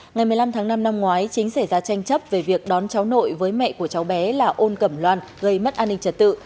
ngày một mươi năm tháng năm năm ngoái chính xảy ra tranh chấp về việc đón cháu nội với mẹ của cháu bé là ôn cẩm loan gây mất an ninh trật tự